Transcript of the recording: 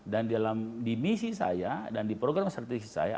dan di dalam misi saya dan di program sertifikat saya